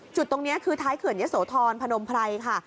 จุดตรงนี้คือท้ายเขื่อนยะโสธรพนมไพรค่ะ